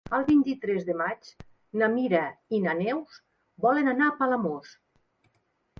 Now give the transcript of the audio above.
El vint-i-tres de maig na Mira i na Neus volen anar a Palamós.